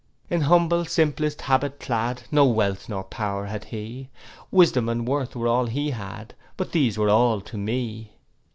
'In humble simplest habit clad, No wealth nor power had he; Wisdom and worth were all he had, But these were all to me.